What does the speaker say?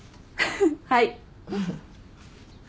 はい。